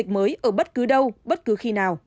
mới ở bất cứ đâu bất cứ khi nào